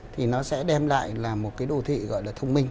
thì nó sẽ đem lại là một cái đô thị gọi là thông minh